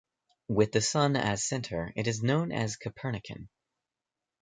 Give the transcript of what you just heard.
With the sun as center, it is known as "Copernican".